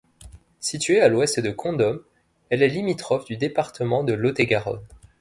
Située à l'ouest de Condom, elle est limitrophe du département de Lot-et-Garonne.